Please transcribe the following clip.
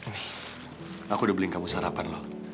nih aku udah beli kamu sarapan lo